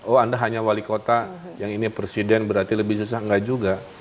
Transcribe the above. oh anda hanya wali kota yang ini presiden berarti lebih susah nggak juga